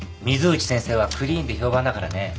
水内先生はクリーンで評判だからね。